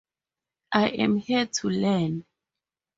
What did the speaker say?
I am here to learn.